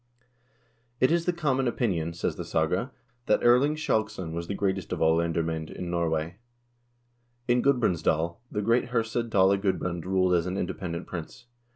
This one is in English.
" It is the common opinion," says the saga, " that Erling Skjalgsson was the greatest of all lendermcend in Norway." In Gudbrandsdal the great herse Dale Gudbrand ruled as an independent prince.